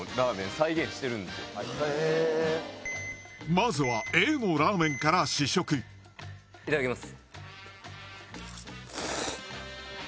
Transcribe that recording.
まずはＡのラーメンから試食いただきます。